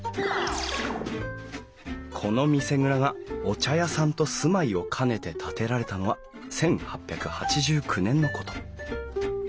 この見世蔵がお茶屋さんと住まいを兼ねて建てられたのは１８８９年のこと。